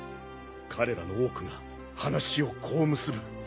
彼らの多くが話をこう結ぶ。